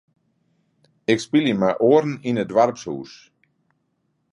Ik spylje mei oaren yn it doarpshûs.